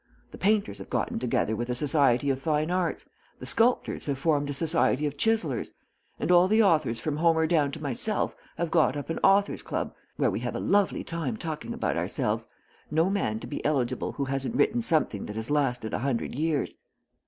The painters have gotten together with a Society of Fine Arts, the sculptors have formed a Society of Chisellers, and all the authors from Homer down to myself have got up an Authors' Club where we have a lovely time talking about ourselves, no man to be eligible who hasn't written something that has lasted a hundred years.